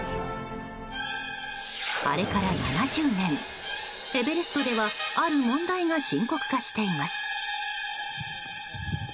あれから７０年、エベレストではある問題が深刻化しています。